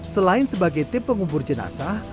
selain sebagai tim pengubur jenazah